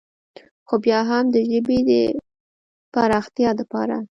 خو بيا هم د ژبې د فراختيا دپاره